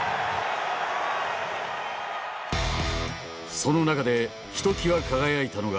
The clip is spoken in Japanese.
その中でひときわ輝いたのが。